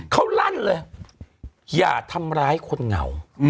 เขาลั่นเลยอย่าทำร้ายคนเหงา